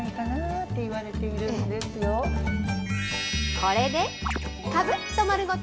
これで、かぶっと丸ごと！